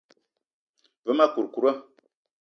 Ve ma kourkoura.